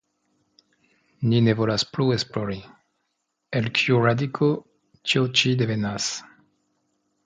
Ni ne volas plu esplori, el kiu radiko tio ĉi devenas.